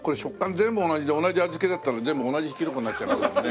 全部同じで同じ味付けだったら全部同じきのこになっちゃいますもんね。